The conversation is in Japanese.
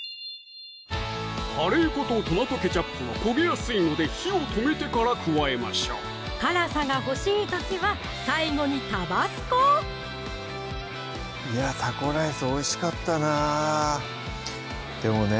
カレー粉とトマトケチャップは焦げやすいので火を止めてから加えましょう辛さが欲しい時は最後にタバスコいや「タコライス」おいしかったなでもね